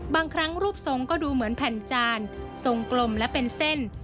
บางครั้งรูปทรงก็ดูเหมือนแผ่นจานทรงกลมและเป็นเส้น